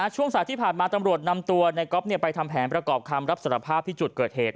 ช่วงสายที่ผ่านมาตำรวจนำตัวในก๊อฟไปทำแผนประกอบคำรับสารภาพที่จุดเกิดเหตุ